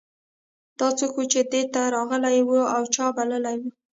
دا څوک و چې دې ته راغلی و او چا بللی و